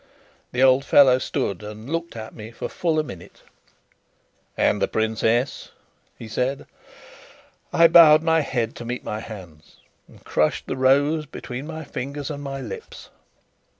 The old fellow stood and looked at me for full a minute. "And the princess?" he said. I bowed my head to meet my hands, and crushed the rose between my fingers and my lips.